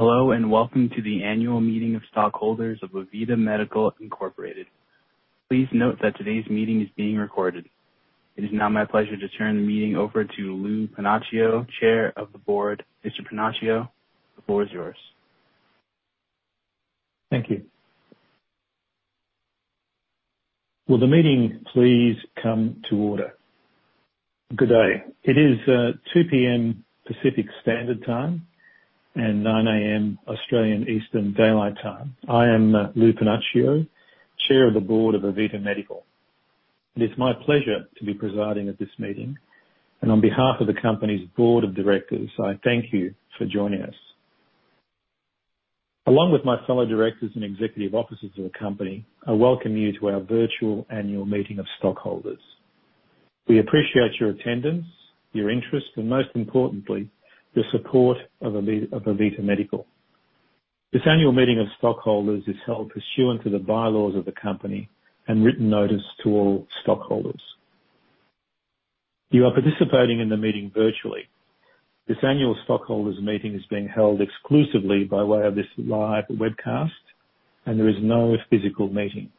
Hello, and welcome to the annual meeting of stockholders of AVITA Medical, Inc. Please note that today's meeting is being recorded. It is now my pleasure to turn the meeting over to Lou Panaccio, Chair of the Board. Mr. Panaccio, the floor is yours. Thank you. Will the meeting please come to order? Good day. It is 2:00 P.M. Pacific Standard Time and 9:00 A.M. Australian Eastern Daylight Time. I am Lou Panaccio, Chair of the Board of AVITA Medical. It is my pleasure to be presiding at this meeting. On behalf of the company's Board of Directors, I thank you for joining us. Along with my fellow directors and executive officers of the company, I welcome you to our virtual annual meeting of stockholders. We appreciate your attendance, your interest, and most importantly, the support of AVITA Medical. This annual meeting of stockholders is held pursuant to the bylaws of the company and written notice to all stockholders. You are participating in the meeting virtually. This annual stockholders meeting is being held exclusively by way of this live webcast, and there is no physical meeting.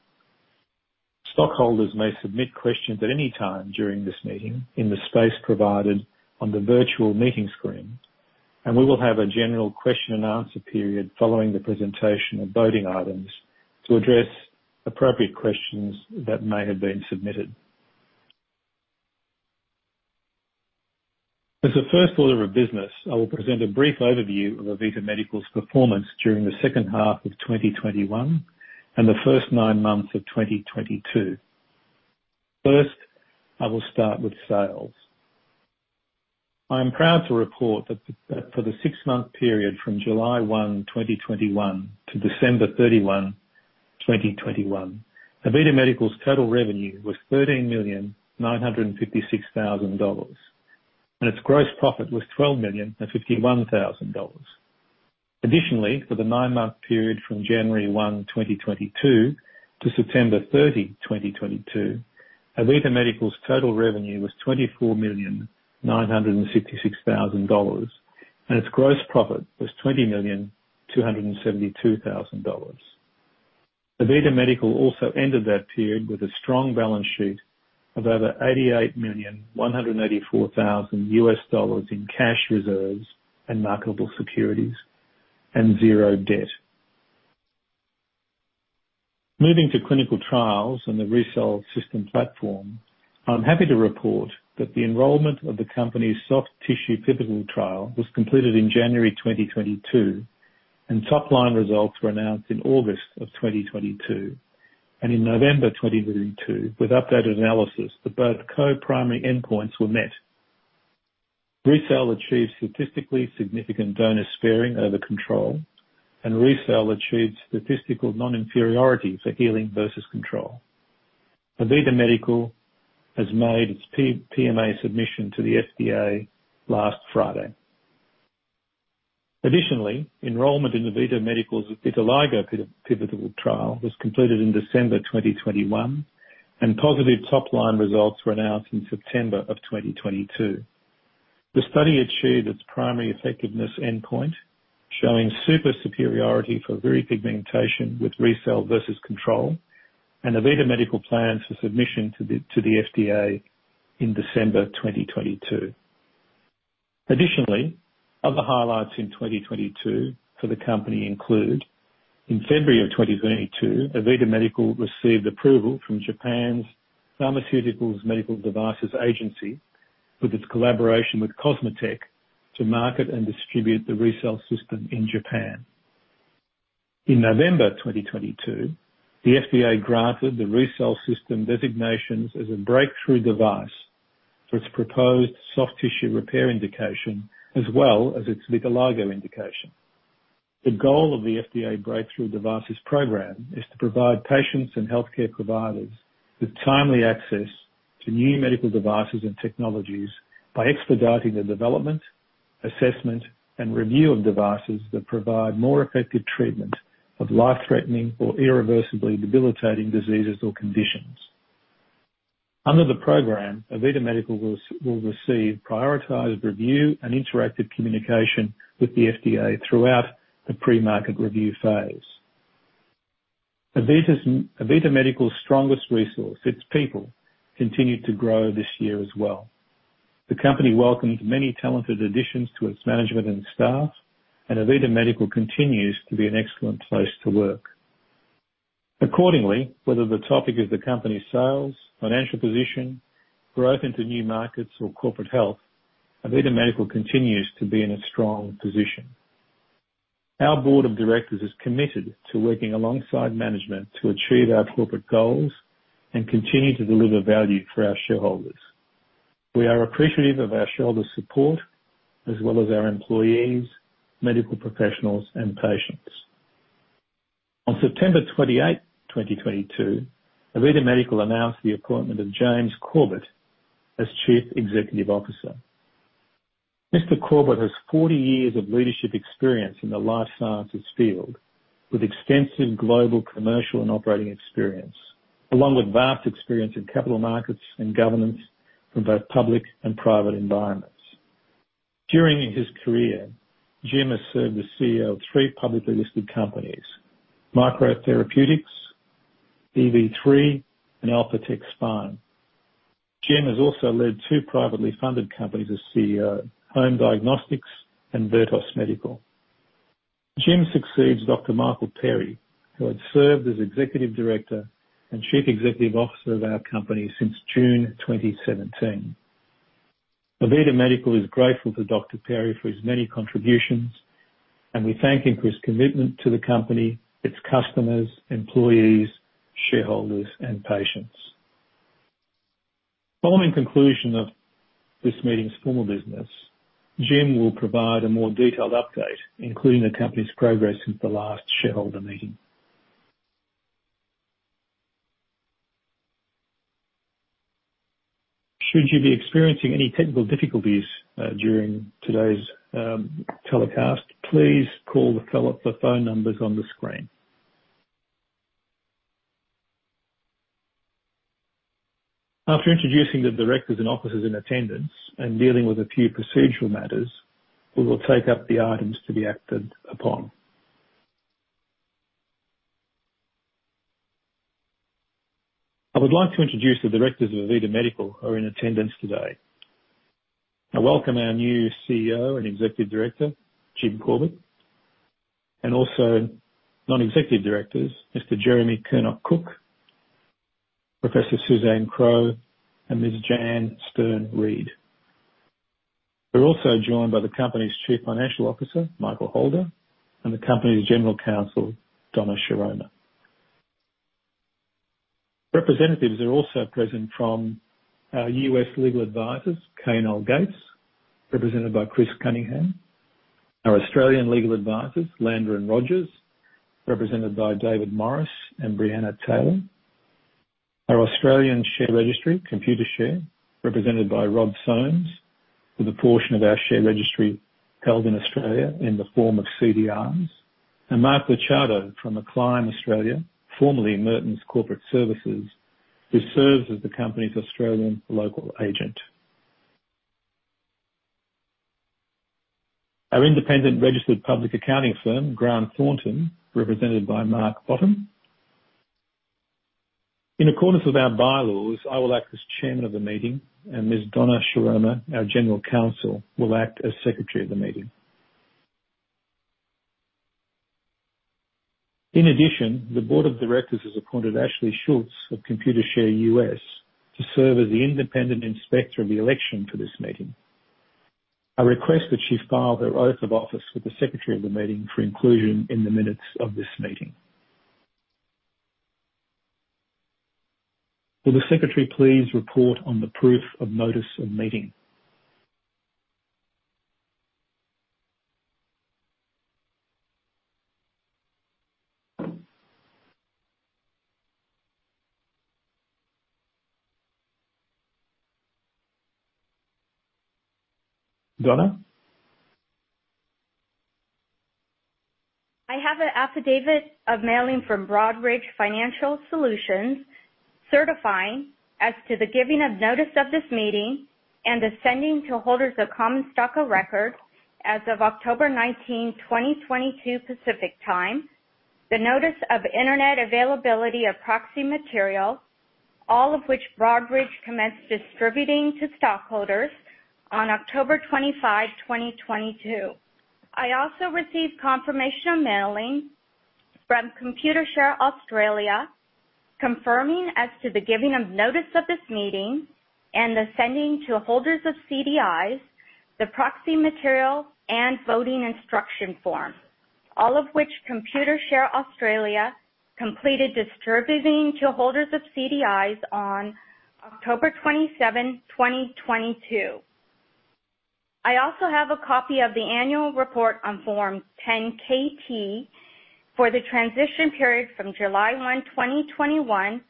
Stockholders may submit questions at any time during this meeting in the space provided on the virtual meeting screen, and we will have a general question and answer period following the presentation of voting items to address appropriate questions that may have been submitted. As the first order of business, I will present a brief overview of AVITA Medical's performance during the second half of 2021 and the first nine months of 2022. First, I will start with sales. I am proud to report that for the 6-month period from July 1, 2021 to December 31, 2021, AVITA Medical's total revenue was $13,956,000, and its gross profit was $12,051,000. Additionally, for the nine-month period from January 1, 2022 to September 30, 2022, AVITA Medical's total revenue was $24,966,000, and its gross profit was $20,272,000. AVITA Medical also ended that period with a strong balance sheet of over $88,184,000 US dollars in cash reserves and marketable securities and zero debt. Moving to clinical trials and the RECELL System platform, I'm happy to report that the enrollment of the company's soft tissue pivotal trial was completed in January 2022, and top line results were announced in August of 2022. In November 2022, with updated analysis that both co-primary endpoints were met. RECELL achieved statistically significant donor sparing over control, and RECELL achieved statistical non-inferiority for healing versus control. AVITA Medical has made its PMA submission to the FDA last Friday. Additionally, enrollment in AVITA Medical's vitiligo pivotal trial was completed in December 2021, and positive top-line results were announced in September of 2022. The study achieved its primary effectiveness endpoint, showing super superiority for repigmentation with RECELL versus control. AVITA Medical plans for submission to the FDA in December 2022. Additionally, other highlights in 2022 for the company include: In February of 2022, AVITA Medical received approval from Japan's Pharmaceuticals and Medical Devices Agency for its collaboration with COSMOTEC to market and distribute the RECELL System in Japan. In November 2022, the FDA granted the RECELL System designations as a breakthrough device for its proposed soft tissue repair indication, as well as its vitiligo indication. The goal of the FDA Breakthrough Devices Program is to provide patients and healthcare providers with timely access to new medical devices and technologies by expediting the development, assessment, and review of devices that provide more effective treatment of life-threatening or irreversibly debilitating diseases or conditions. Under the program, AVITA Medical will receive prioritized review and interactive communication with the FDA throughout the pre-market review phase. AVITA Medical's strongest resource, its people, continued to grow this year as well. The company welcomed many talented additions to its management and staff, AVITA Medical continues to be an excellent place to work. Accordingly, whether the topic is the company's sales, financial position, growth into new markets, or corporate health, AVITA Medical continues to be in a strong position. Our board of directors is committed to working alongside management to achieve our corporate goals and continue to deliver value for our shareholders. We are appreciative of our shareholders' support, as well as our employees, medical professionals, and patients. On September 28, 2022, AVITA Medical announced the appointment of James Corbett as Chief Executive Officer. Mr. Corbett has 40 years of leadership experience in the life sciences field, with extensive global commercial and operating experience. Along with vast experience in capital markets and governance from both public and private environments. During his career, Jim has served as CEO of three publicly listed companies, MicroTherapeutics, eV3, and Alphatec Spine. Jim has also led two privately funded companies as CEO, Home Diagnostics and Vertos Medical. Jim succeeds Dr. Michael Perry, who had served as Executive Director and Chief Executive Officer of our company since June 2017. AVITA Medical is grateful to Dr. Perry for his many contributions. We thank him for his commitment to the company, its customers, employees, shareholders, and patients. Following conclusion of this meeting's formal business, Jim will provide a more detailed update, including the company's progress since the last shareholder meeting. Should you be experiencing any technical difficulties during today's telecast, please call the phone numbers on the screen. After introducing the directors and officers in attendance and dealing with a few procedural matters, we will take up the items to be acted upon. I would like to introduce the directors of AVITA Medical who are in attendance today. I welcome our new CEO and Executive Director, Jim Corbett. Also non-executive directors, Mr. Jeremy Curnock Cook, Professor Suzanne Crowe, and Ms. Jan Stern Reed. We're also joined by the company's Chief Financial Officer, Michael Holder, and the company's General Counsel, Donna Shiroma. Representatives are also present from our U.S. legal advisors, K&L Gates, represented by Chris Cunningham, our Australian legal advisors, Lander & Rogers, represented by David Morris and Bree Taylor. Our Australian share registry, Computershare, represented by Rob Soames, with a portion of our share registry held in Australia in the form of CDIs. Mark Ricciardo from Acclime Australia, formerly Mertons Corporate Services, who serves as the company's Australian local agent. Our independent registered public accounting firm, Grant Thornton, represented by Mark Bottom. In accordance with our bylaws, I will act as chairman of the meeting, and Ms. Donna Shiroma, our General Counsel, will act as secretary of the meeting. In addition, the board of directors has appointed Ashley Schultz of Computershare US to serve as the independent inspector of the election for this meeting. I request that she file her oath of office with the secretary of the meeting for inclusion in the minutes of this meeting. Will the secretary please report on the proof of notice of meeting? Donna? I have an affidavit of mailing from Broadridge Financial Solutions certifying as to the giving of notice of this meeting and the sending to holders of common stock of record as of October 19, 2022, Pacific Time, the notice of internet availability of proxy material, all of which Broadridge commenced distributing to stockholders on October 25, 2022. I also received confirmation of mailing from Computershare Australia, confirming as to the giving of notice of this meeting and the sending to holders of CDIs the proxy material and voting instruction form, all of which Computershare Australia completed distributing to holders of CDIs on October 27, 2022. I also have a copy of the annual report on Form 10-K for the transition period from July 1, 2021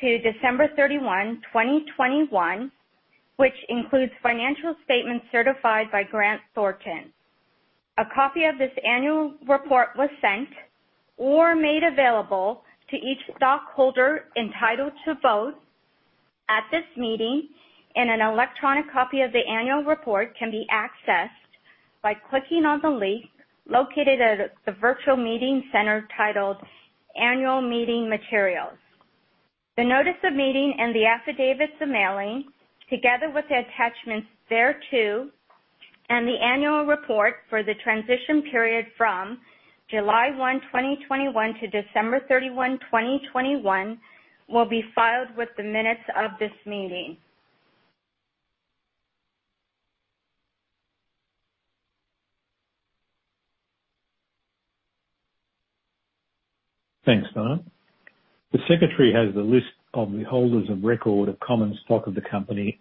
to December 31, 2021, which includes financial statements certified by Grant Thornton. A copy of this annual report was sent or made available to each stockholder entitled to vote at this meeting, and an electronic copy of the annual report can be accessed by clicking on the link located at the virtual meeting center titled Annual Meeting Materials. The notice of meeting and the affidavit of mailing, together with the attachments thereto and the annual report for the transition period from July 1, 2021 to December 31, 2021, will be filed with the minutes of this meeting. Thanks, Donna. The secretary has the list of the holders of record of common stock of the company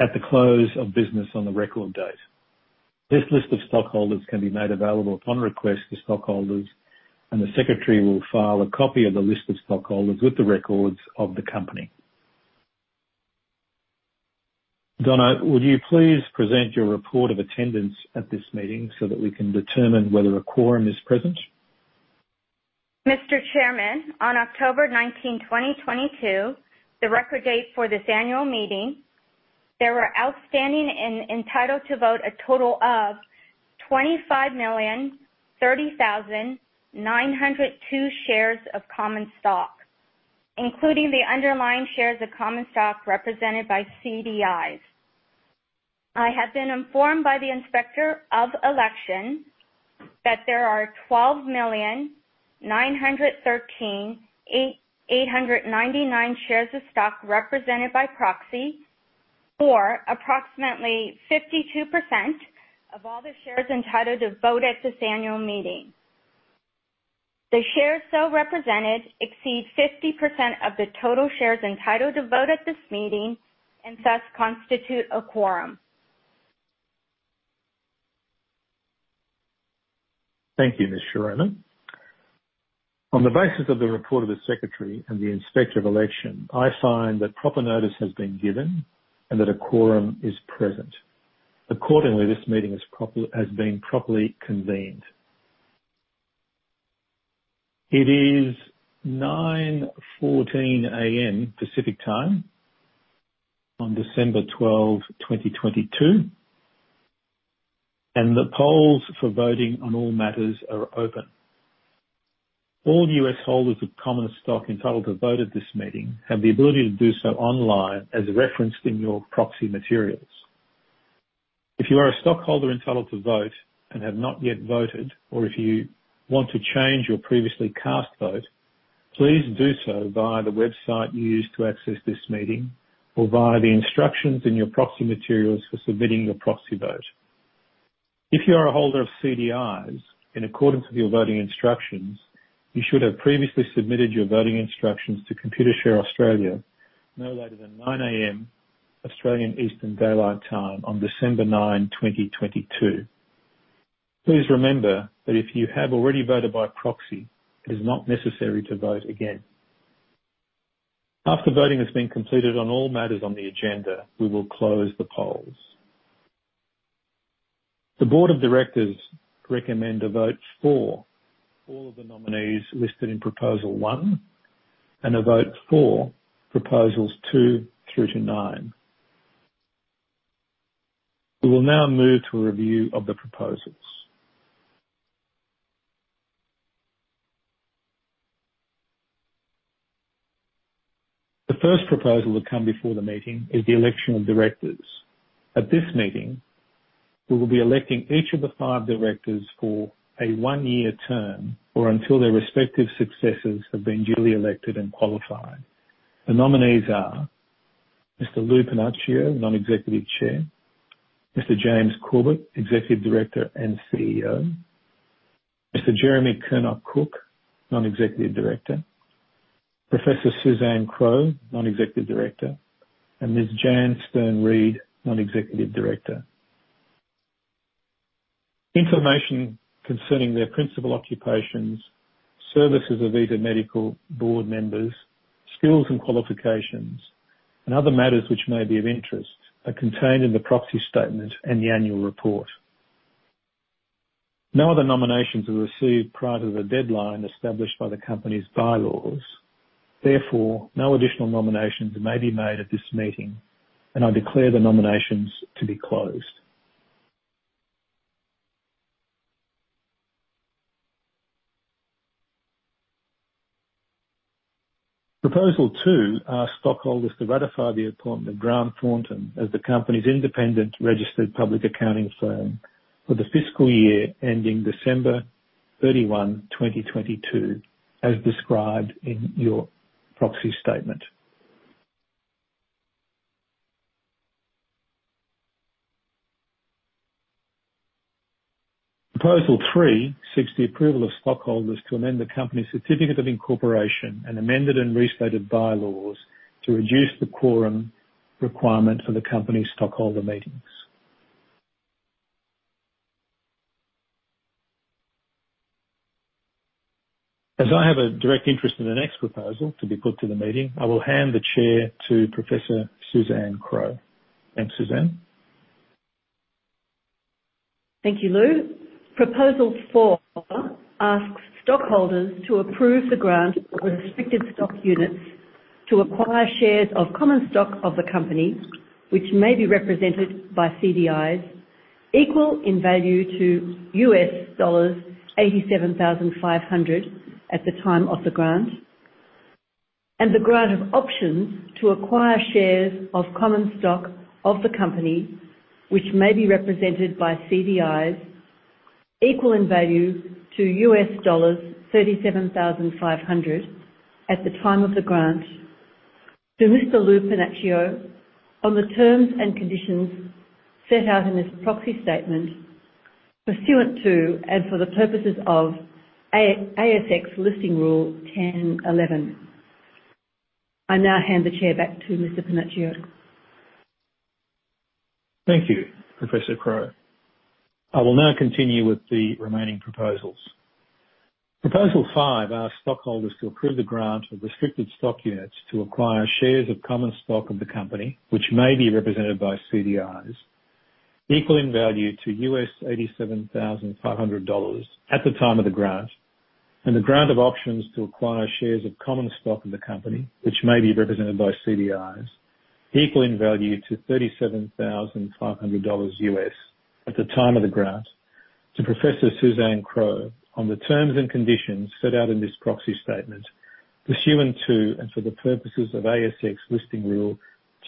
at the close of business on the record date. This list of stockholders can be made available upon request to stockholders. The secretary will file a copy of the list of stockholders with the records of the company. Donna, would you please present your report of attendance at this meeting so that we can determine whether a quorum is present? Mr. Chairman, on October 19, 2022, the record date for this annual meeting, there were outstanding and entitled to vote a total of 25,030,902 shares of common stock, including the underlying shares of common stock represented by CDIs. I have been informed by the Inspector of Election that there are 12,913,899 shares of stock represented by proxy, or approximately 52% of all the shares entitled to vote at this annual meeting. The shares so represented exceed 50% of the total shares entitled to vote at this meeting and thus constitute a quorum. Thank you, Ms. Shiroma. On the basis of the report of the Secretary and the Inspector of Election, I find that proper notice has been given and that a quorum is present. Accordingly, this meeting has been properly convened. It is 9:14 A.M. Pacific Time on December 12, 2022, and the polls for voting on all matters are open. All U.S. holders of common stock entitled to vote at this meeting have the ability to do so online, as referenced in your proxy materials. If you are a stockholder entitled to vote and have not yet voted, or if you want to change your previously cast vote, please do so via the website you used to access this meeting or via the instructions in your proxy materials for submitting your proxy vote. If you are a holder of CDIs, in accordance with your voting instructions, you should have previously submitted your voting instructions to Computershare Australia no later than 9:00 A.M. Australian Eastern Daylight Time on December 9, 2022. Please remember that if you have already voted by proxy, it is not necessary to vote again. After voting has been completed on all matters on the agenda, we will close the polls. The board of directors recommend a vote for all of the nominees listed in proposal one and a vote for proposals two through to nine. We will now move to a review of the proposals. The first proposal that come before the meeting is the election of directors. At this meeting, we will be electing each of the five directors for a one-year term or until their respective successors have been duly elected and qualified. The nominees are Mr. Lou Panaccio, Non-Executive Chair, Mr. James Corbett, Executive Director and CEO, Mr. Jeremy Curnock Cook, Non-Executive Director, Professor Suzanne Crowe, Non-Executive Director, and Ms. Jan Stern Reed, Non-Executive Director. Information concerning their principal occupations, services of AVITA Medical board members, skills and qualifications, and other matters which may be of interest are contained in the proxy statement and the annual report. No other nominations were received prior to the deadline established by the company's bylaws. Therefore, no additional nominations may be made at this meeting. I declare the nominations to be closed. Proposal two asks stockholders to ratify the appointment of Grant Thornton as the company's independent registered public accounting firm for the fiscal year ending December 31, 2022, as described in your proxy statement. Proposal three seeks the approval of stockholders to amend the company's certificate of incorporation and amended and restated bylaws to reduce the quorum requirement for the company stockholder meetings. As I have a direct interest in the next proposal to be put to the meeting, I will hand the chair to Professor Suzanne Crowe. Thanks, Suzanne. Thank you, Lou. Proposal four asks stockholders to approve the grant of restricted stock units to acquire shares of common stock of the company, which may be represented by CDIs equal in value to $87,500 at the time of the grant, the grant of options to acquire shares of common stock of the company which may be represented by CDIs equal in value to $37,500 at the time of the grant to Mr. Lou Panaccio on the terms and conditions set out in this proxy statement pursuant to and for the purposes of ASX Listing Rule 10.11. I now hand the chair back to Mr. Panaccio. Thank you, Professor Crowe. I will now continue with the remaining proposals. Proposal 5 asks stockholders to approve the grant of restricted stock units to acquire shares of common stock of the company, which may be represented by CDIs, equal in value to $87,500 at the time of the grant, and the grant of options to acquire shares of common stock of the company, which may be represented by CDIs, equal in value to $37,500 at the time of the grant to Professor Suzanne Crowe on the terms and conditions set out in this proxy statement pursuant to and for the purposes of ASX Listing Rule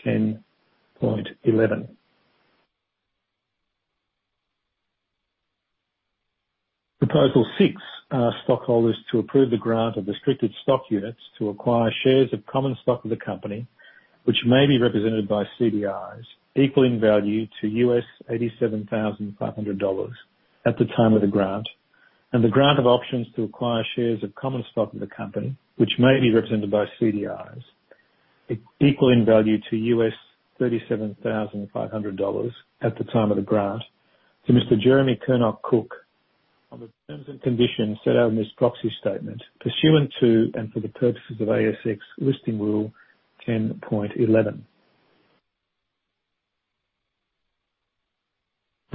10.11. Proposal six asks stockholders to approve the grant of restricted stock units to acquire shares of common stock of the company, which may be represented by CDIs, equal in value to $87,500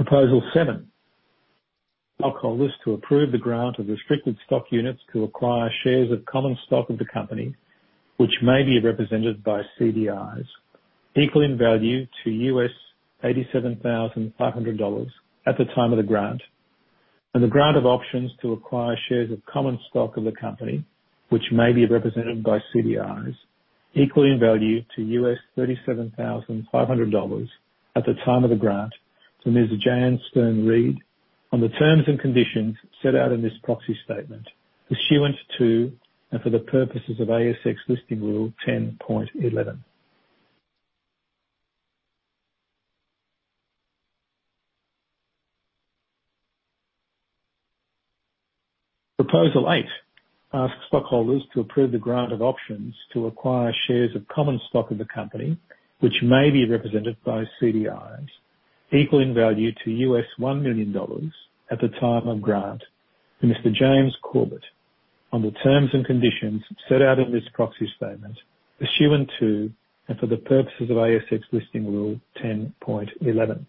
at the time of the grant, and the grant of options to acquire shares of common stock of the company, which may be represented by CDIs equal in value to $37,500 at the time of the grant to Mr. Jeremy Curnock Cook on the terms and conditions set out in this proxy statement pursuant to and for the purposes of ASX Listing Rule 10.11. Proposal seven asks stockholders to approve the grant of restricted stock units to acquire shares of common stock of the company, which may be represented by CDIs, equal in value to $87,500 at the time of the grant. The grant of options to acquire shares of common stock of the company, which may be represented by CDIs, equal in value to $37,500 at the time of the grant to Ms. Jan Stern Reed on the terms and conditions set out in this proxy statement pursuant to and for the purposes of ASX Listing Rule 10.11. Proposal eight asks stockholders to approve the grant of options to acquire shares of common stock of the company, which may be represented by CDIs, equal in value to $1 million at the time of grant to Mr. James Corbett on the terms and conditions set out in this proxy statement pursuant to and for the purposes of ASX Listing Rule 10.11.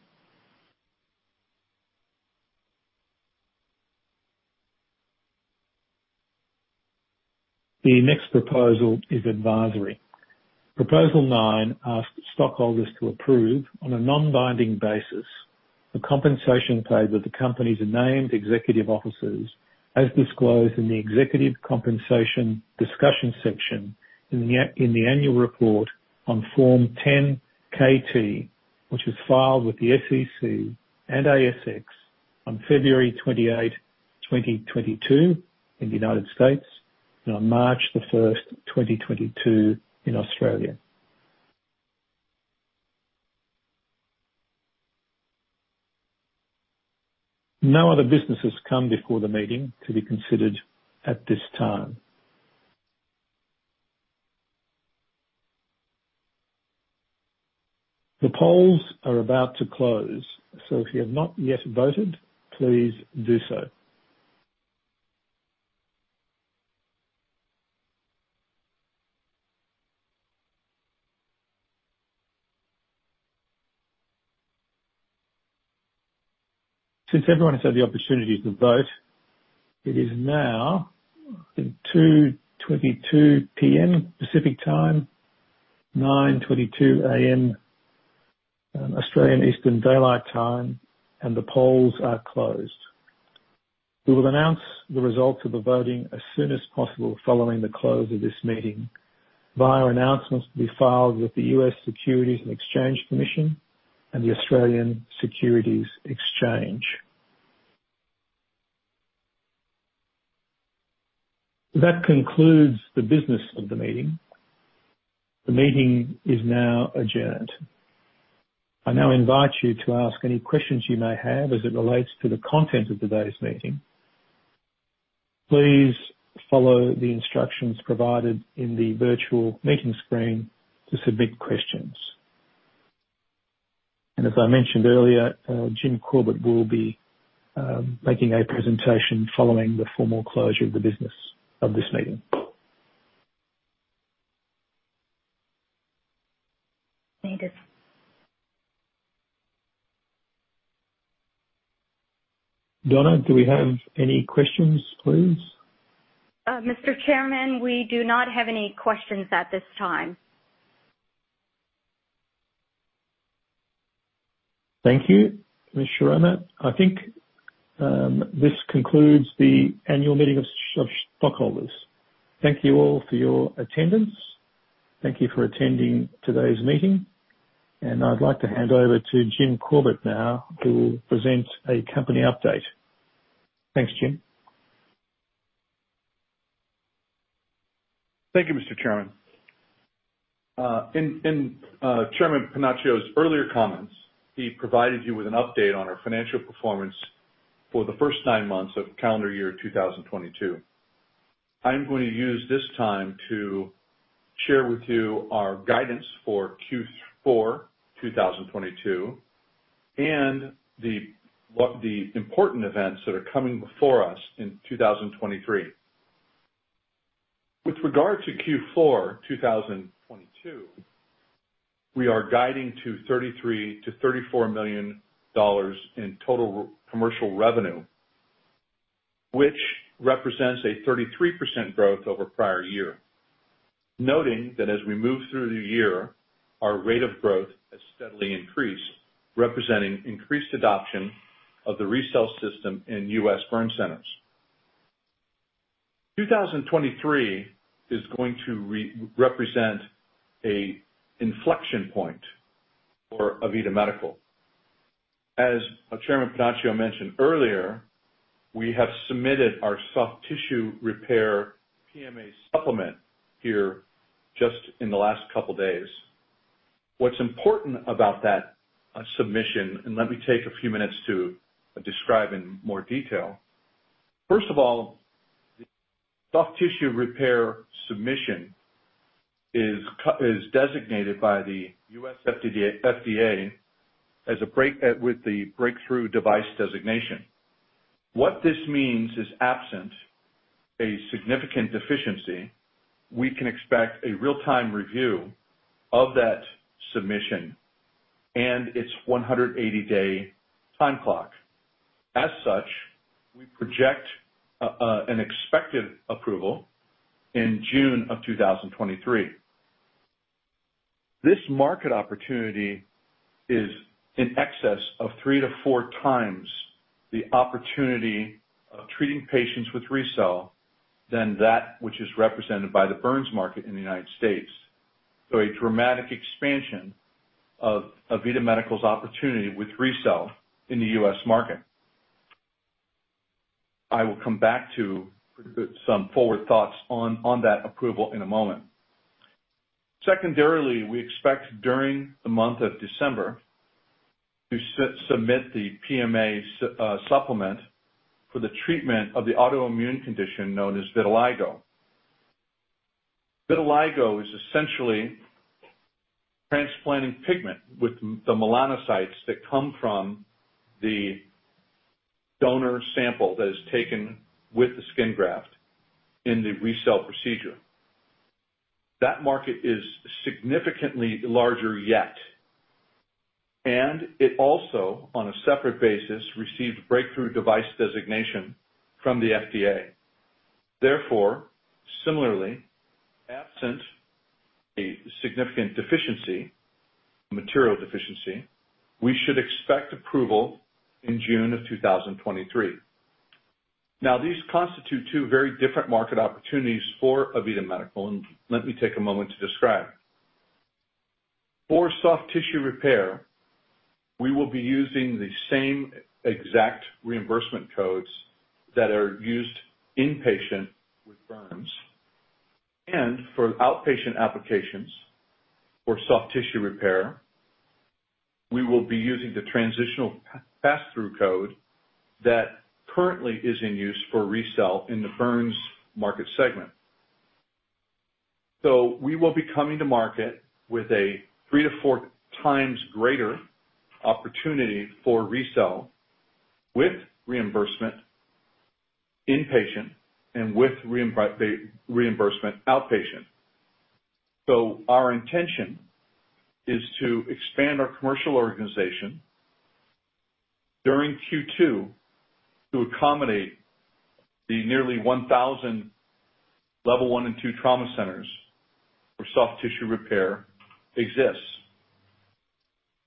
The next proposal is advisory. Proposal nine asks stockholders to approve on a non-binding basis the compensation paid with the company's named executive officers as disclosed in the Executive Compensation Discussion section in the annual report on Form 10-KT, which was filed with the SEC and ASX on February 28, 2022 in the United States and on March 1, 2022 in Australia. No other businesses come before the meeting to be considered at this time. The polls are about to close. If you have not yet voted, please do so. Since everyone has had the opportunity to vote, it is now, I think, 2:22 P.M. Pacific Time, 9:22 A.M. Australian Eastern Daylight Time. The polls are closed. We will announce the results of the voting as soon as possible following the close of this meeting via announcements to be filed with the U.S. Securities and Exchange Commission and the Australian Securities Exchange. That concludes the business of the meeting. The meeting is now adjourned. I now invite you to ask any questions you may have as it relates to the content of today's meeting. Please follow the instructions provided in the virtual meeting screen to submit questions. As I mentioned earlier, Jim Corbett will be making a presentation following the formal closure of the business of this meeting. Thank you. Donna, do we have any questions, please? Mr. Chairman, we do not have any questions at this time. Thank you, Ms. Shiroma. I think, this concludes the annual meeting of stockholders. Thank you all for your attendance. Thank you for attending today's meeting. I'd like to hand over to Jim Corbett now, who will present a company update. Thanks, Jim. Thank you, Mr. Chairman. In Chairman Panaccio's earlier comments, he provided you with an update on our financial performance for the first nine months of calendar year 2022. I'm going to use this time to share with you our guidance for Q4 2022 and what the important events that are coming before us in 2023. With regard to Q4 2022, we are guiding to $33 million-$34 million in total commercial revenue, which represents a 33% growth over prior year. Noting that as we move through the year, our rate of growth has steadily increased, representing increased adoption of the RECELL System in U.S. burn centers. 2023 is going to represent a inflection point for AVITA Medical. As our Chairman Panaccio mentioned earlier, we have submitted our soft tissue repair PMA supplement here just in the last couple days. What's important about that submission, and let me take a few minutes to describe in more detail. First of all, the soft tissue repair submission is designated by the U.S. FDA as a Breakthrough Device designation. What this means is, absent a significant deficiency, we can expect a real-time review of that submission and its 180-day time clock. As such, we project an expected approval in June of 2023. This market opportunity is in excess of 3 to 4x the opportunity of treating patients with RECELL than that which is represented by the burns market in the United States. A dramatic expansion of AVITA Medical's opportunity with RECELL in the U.S. market. I will come back to some forward thoughts on that approval in a moment. Secondarily, we expect during the month of December to submit the PMA supplement for the treatment of the autoimmune condition known as vitiligo. Vitiligo is essentially transplanting pigment with the melanocytes that come from the donor sample that is taken with the skin graft in the RECELL procedure. That market is significantly larger yet, and it also, on a separate basis, received Breakthrough Device designation from the FDA. Therefore, similarly, absent a significant deficiency, material deficiency, we should expect approval in June of 2023. These constitute two very different market opportunities for AVITA Medical and let me take a moment to describe. For soft tissue repair, we will be using the same exact reimbursement codes that are used inpatient with burns. For outpatient applications for soft tissue repair, we will be using the transitional pass-through code that currently is in use for RECELL in the burns market segment. We will be coming to market with a three to four times greater opportunity for RECELL with reimbursement inpatient and with the reimbursement outpatient. Our intention is to expand our commercial organization during Q2 to accommodate the nearly 1,000 level one and two trauma centers where soft tissue repair exists.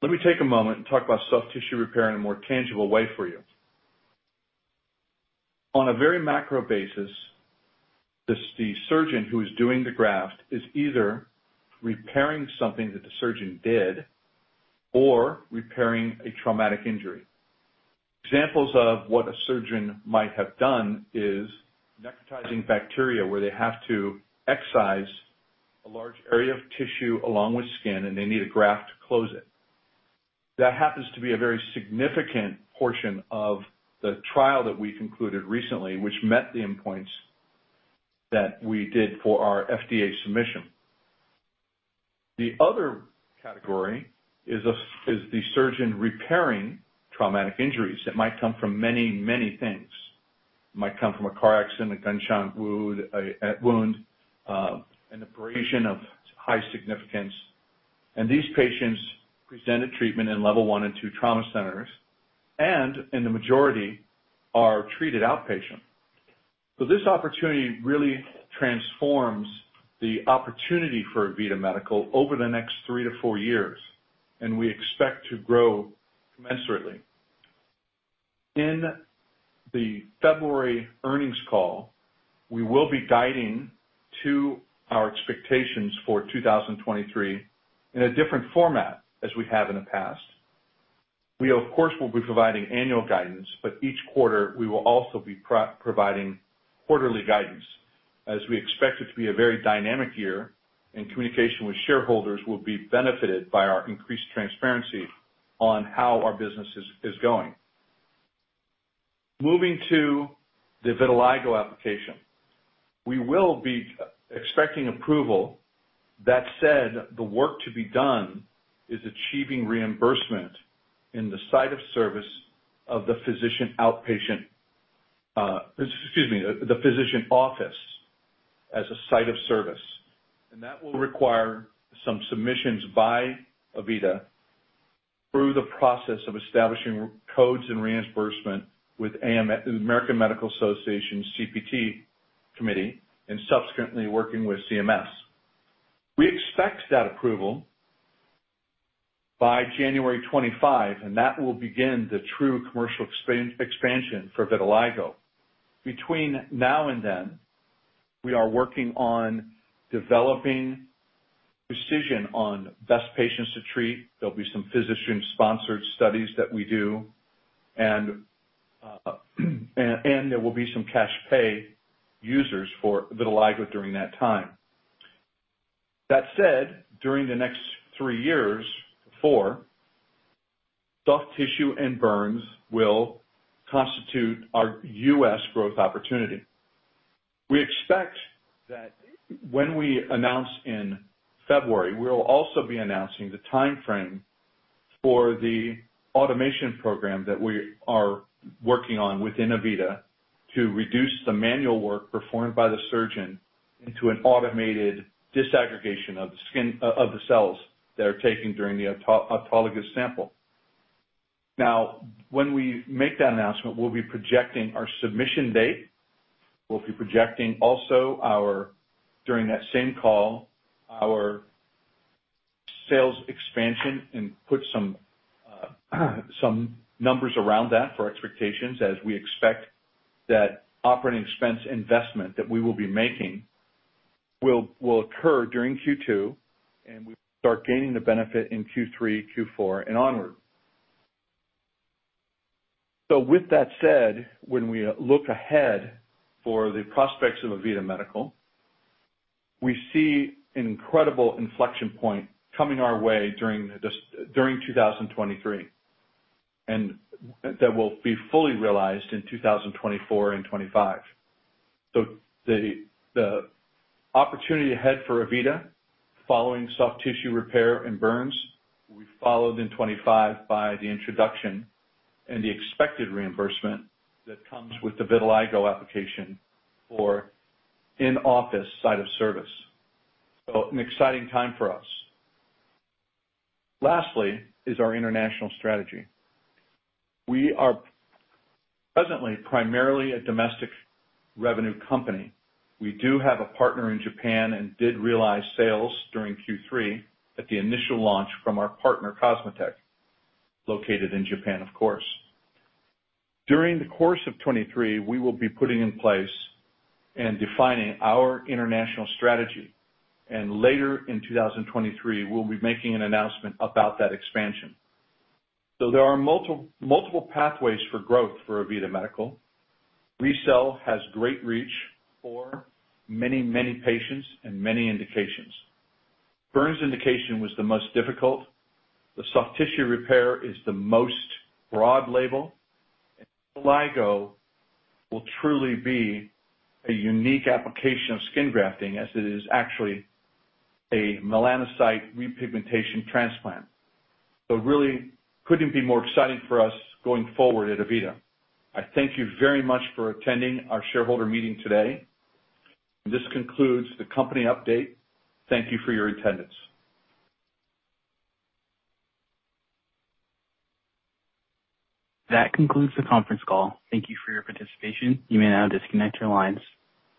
Let me take a moment and talk about soft tissue repair in a more tangible way for you. On a very macro basis, the surgeon who is doing the graft is either repairing something that the surgeon did or repairing a traumatic injury. Examples of what a surgeon might have done is necrotizing bacteria, where they have to excise a large area of tissue along with skin, and they need a graft to close it. That happens to be a very significant portion of the trial that we concluded recently, which met the endpoints that we did for our FDA submission. The other category is the surgeon repairing traumatic injuries that might come from many, many things. It might come from a car accident, a gunshot wound, a wound, an abrasion of high significance. These patients present at treatment in level one and two trauma centers, and in the majority are treated outpatient. This opportunity really transforms the opportunity for AVITA Medical over the next three to four years, and we expect to grow commensurately. In the February earnings call, we will be guiding to our expectations for 2023 in a different format as we have in the past. We of course will be providing annual guidance, but each quarter we will also be providing quarterly guidance, as we expect it to be a very dynamic year, and communication with shareholders will be benefited by our increased transparency on how our business is going. Moving to the vitiligo application. We will be expecting approval. That said, the work to be done is achieving reimbursement in the site of service of the physician outpatient, excuse me, the physician office as a site of service, and that will require some submissions by AVITA through the process of establishing codes and reimbursement with American Medical Association's CPT committee and subsequently working with CMS. We expect that approval by January 25, that will begin the true commercial expansion for vitiligo. Between now and then, we are working on developing precision on best patients to treat. There'll be some physician-sponsored studies that we do, there will be some cash pay users for vitiligo during that time. That said, during the next three years, four, soft tissue and burns will constitute our U.S. growth opportunity. We expect that when we announce in February, we'll also be announcing the timeframe for the automation program that we are working on within AVITA to reduce the manual work performed by the surgeon into an automated disaggregation of skin, of the cells that are taken during the autologous sample. Now, when we make that announcement, we'll be projecting our submission date. We'll be projecting also our, during that same call, our sales expansion and put some numbers around that for expectations as we expect that OpEx investment that we will be making will occur during Q2, and we start gaining the benefit in Q3, Q4 and onward. With that said, when we look ahead for the prospects of AVITA Medical, we see an incredible inflection point coming our way during this, during 2023, and that will be fully realized in 2024 and 25. The opportunity ahead for AVITA following soft tissue repair and burns will be followed in 25 by the introduction and the expected reimbursement that comes with the vitiligo application for in-office site of service. An exciting time for us. Lastly is our international strategy. We are presently primarily a domestic revenue company. We do have a partner in Japan and did realize sales during Q3 at the initial launch from our partner COSMOTEC, located in Japan, of course. During the course of 2023, we will be putting in place and defining our international strategy. Later in 2023, we'll be making an announcement about that expansion. There are multiple pathways for growth for AVITA Medical. RECELL has great reach for many patients and many indications. Burns indication was the most difficult. The soft tissue repair is the most broad label. Vitiligo will truly be a unique application of skin grafting as it is actually a melanocyte repigmentation transplant. It really couldn't be more exciting for us going forward at AVITA. I thank you very much for attending our shareholder meeting today. This concludes the company update. Thank you for your attendance. That concludes the conference call. Thank you for your participation. You may now disconnect your lines.